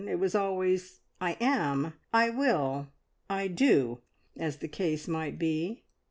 It was always "I am!" "I will!" "I do!" as the case might be.